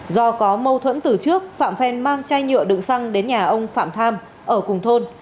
do có mâu thuẫn từ trước phạm phen mang chai nhựa đựng xăng đến nhà ông phạm tham ở cùng thôn